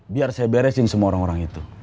biar saya beresin semua orang orang itu